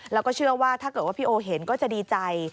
แล้วก็เชื่อว่าถ้าเกิดว่าพี่โอเห็นก็จะดีใจ